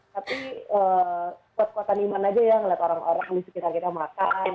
tapi kuat kuatan iman aja ya ngeliat orang orang di sekitar kita makan